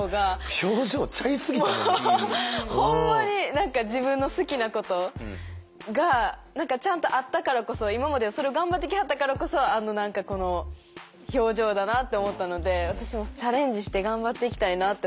何か自分の好きなことがちゃんとあったからこそ今までそれを頑張ってきはったからこそ何かこの表情だなって思ったので私もチャレンジして頑張っていきたいなって